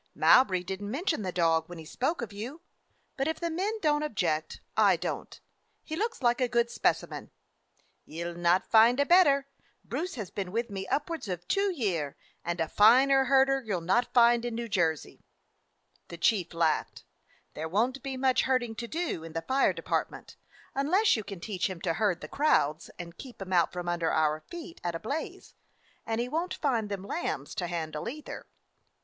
"Mowbray did n't mention the dog when he spoke of you. But if the men don't object, I don't. He looks like a good specimen." "Ye'll not find a better. Bruce has been with me upwards of two year, and a finer herder you 'll not find in New Jersey." 253 DOG HEROES OF MANY LANDS The chief laughed. "There won't be much herding to do in the fire department, unless you can teach him to herd the crowds, and keep 'em out from under our feet at a blaze; and he won't find them lambs to handle, either."